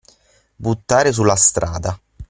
Buttare sulla strada.